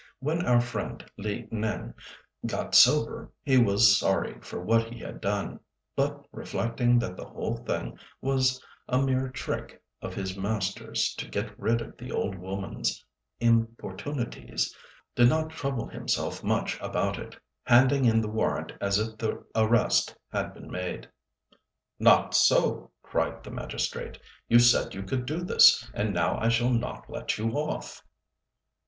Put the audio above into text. When our friend, Li Nêng, got sober, he was sorry for what he had done; but reflecting that the whole thing was a mere trick of his master's to get rid of the old woman's importunities, did not trouble himself much about it, handing in the warrant as if the arrest had been made. "Not so," cried the magistrate, "you said you could do this, and now I shall not let you off."